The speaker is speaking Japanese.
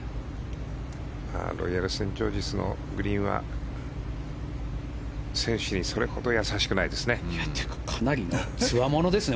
ロイヤル・セントジョージズのグリーンは選手にそれほど優しくないですね。